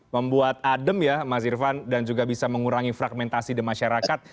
membuat adem ya mas irvan dan juga bisa mengurangi fragmentasi di masyarakat